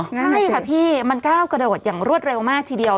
ใช่ค่ะพี่มันก้าวกระโดดอย่างรวดเร็วมากทีเดียว